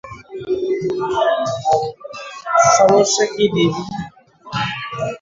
সমস্যা কি, বেবি?